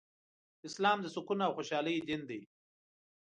اسلام د سکون او خوشحالۍ دين دی